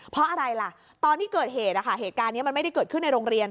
เพราะอะไรล่ะตอนที่เกิดเหตุเหตุการณ์นี้มันไม่ได้เกิดขึ้นในโรงเรียน